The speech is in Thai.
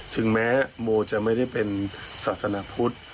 ถึงแม้โมจะไม่ได้เป็นศาสนาพุทธ